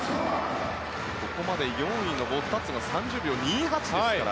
ここまで４位のボッタッツォが３０秒２８ですから。